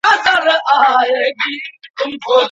له بيت المال څخه په امانتدارۍ استفاده وکړئ.